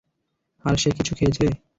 আর সে কিছু খেয়েছে?